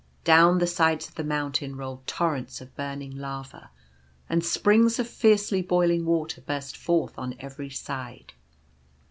Down the sides of the mountain rolled torrents of burning lava, and springs of fiercely boiling water burst forth on every side.